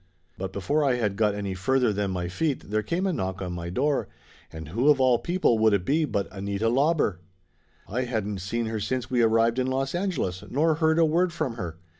But before I had got any further than my feet there come a knock on my door, and who of all people would it be but Anita Lauber ! I hadn't seen her since we arrived in Los Angeles, nor heard a word from her.